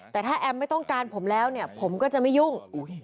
แต่ถ้าแอมไม่ต้องการผมแล้วเนี่ยผมก็จะไม่ยุ่ง